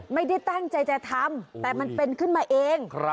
ไม่ได้ตั้งใจจะทำแต่มันเป็นขึ้นมาเอง